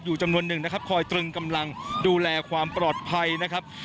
จำนวนหนึ่งนะครับคอยตรึงกำลังดูแลความปลอดภัยนะครับ